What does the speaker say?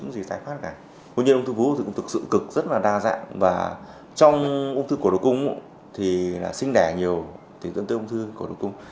ví dụ như ông thư vú thì cũng thực sự cực rất là đa dạng và trong ung thư của độc cung thì sinh đẻ nhiều thì tân tư ung thư của độc cung